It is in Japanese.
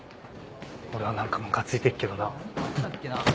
俺は何かムカついてっけどな。